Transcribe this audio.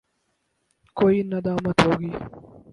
کوئی ندامت ہو گی؟